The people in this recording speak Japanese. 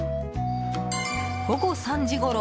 午後３時ごろ。